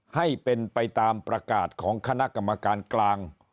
ให้เป็นไปตามประกาศของคณะกรรมการกลาง